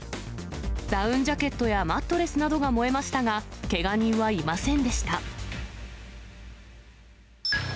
ダウンジャケットやマットレスなどが燃えましたが、けが人はいませんでした。